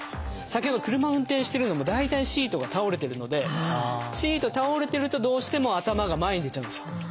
先ほど車を運転してるのも大体シートが倒れてるのでシート倒れてるとどうしても頭が前に出ちゃうんですよ。